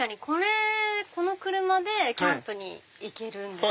この車でキャンプに行けるんですね。